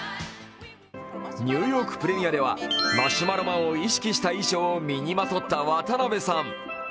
ニューヨークプレミアではマシュマロマンを意識した衣装を身にまとった渡辺さん。